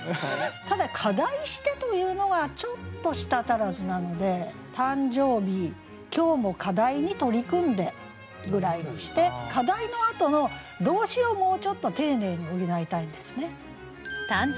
ただ「課題して」というのがちょっと舌足らずなので「誕生日今日も課題に取り組んで」ぐらいにして「課題」のあとの動詞をもうちょっと丁寧に補いたいんですね。